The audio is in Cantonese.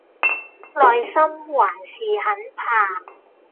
內心還是很怕